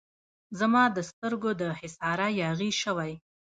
زما د سترګو د حصاره یاغي شوی